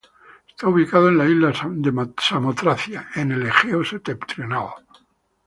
Está ubicado en la isla de Samotracia, en el Egeo Septentrional.